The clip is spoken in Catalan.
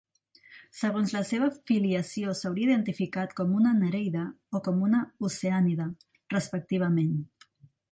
Segons la seva filiació s'hauria identificat com una nereida o com una oceànide, respectivament.